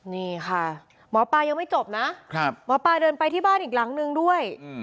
นี่ค่ะหมอปลายังไม่จบนะหมอปลาเดินไปที่บ้านอีกหลังนึงด้วย